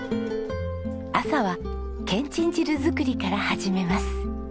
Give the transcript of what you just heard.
朝はけんちん汁作りから始めます。